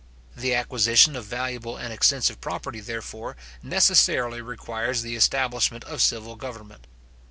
The acquisition of valuable and extensive property, therefore, necessarily requires the establishment of civil government.